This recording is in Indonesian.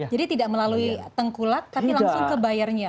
jadi tidak melalui tengkulak tapi langsung ke buyernya